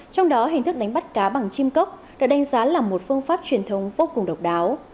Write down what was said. trong đó hình thức đánh bắt cá bằng chim cốc được đánh giá là một phương pháp truyền thống vô cùng độc đáo